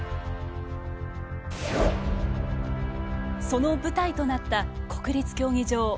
その舞台となった国立競技場。